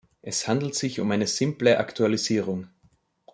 Es handelt sich um eine simple Aktualisierung.